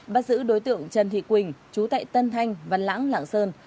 bắt giữ đối tượng trần thị quỳnh chú tại tân thanh văn lãng lạng sơn